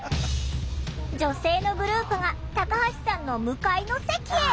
女性のグループがタカハシさんの向かいの席へ。